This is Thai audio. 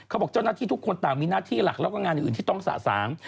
บอกเจ้าหน้าที่ทุกคนต่างมีหน้าที่หลักแล้วก็งานอื่นที่ต้องสะสาง